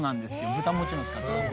豚ももちろん使ってます。